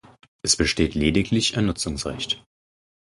Es besteht lediglich ein Nutzungsrecht.